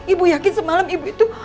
ibu yakin semalam ibu itu